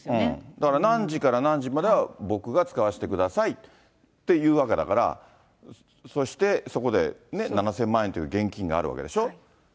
だから何時から何時までは僕が使わせてくださいっていうわけだから、そしてそこで７０００万円という現金があるわけでしょ。